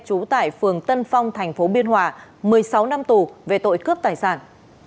trú tại phường tân phong tp biên hòa một mươi sáu năm tù về tội cướp tài sản